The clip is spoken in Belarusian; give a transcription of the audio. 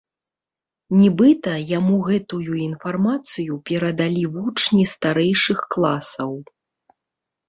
Нібыта, яму гэтую інфармацыю перадалі вучні старэйшых класаў.